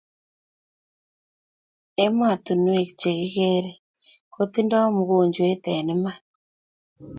emattunuek chekikere kotindai mukojwet eng iman